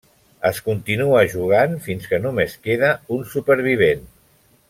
Es continua jugant fins que només queda un supervivent.